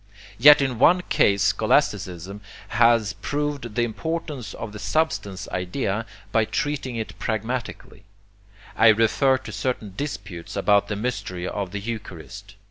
Yet in one case scholasticism has proved the importance of the substance idea by treating it pragmatically. I refer to certain disputes about the mystery of the Eucharist.